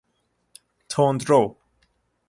تندرو